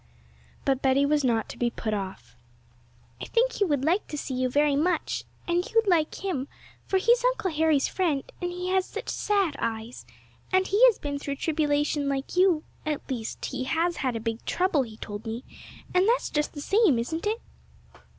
But Betty was not to be put off. 'I think he would like to see you very much; and you'd like him, for he is Uncle Harry's friend; and he has such sad eyes, and he has been through tribulation like you; at least, he has had a big trouble, he told me; and that's just the same, isn't it?'